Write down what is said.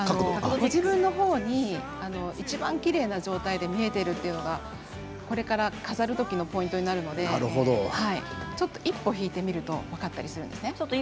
自分のほうにいちばんきれいな状態で見えているということがこれから飾るときのポイントになりますので一歩引いてみると分かったりします。